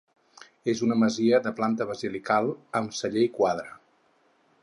És una masia de planta basilical, amb celler i quadra.